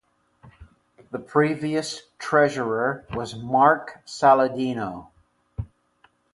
The previous treasurer was Mark Saladino.